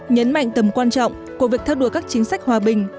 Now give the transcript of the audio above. nhấn mạnh tầm quan trọng của việc theo đuổi các chính sách hòa bình